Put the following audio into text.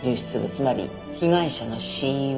つまり被害者の死因は。